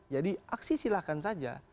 jadi aksi silakan saja